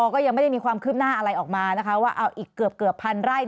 ก็ยังไม่ได้มีความคืบหน้าอะไรออกมานะคะว่าเอาอีกเกือบพันไร่